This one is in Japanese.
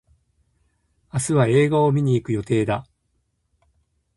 明日は映画を観に行く予定だ。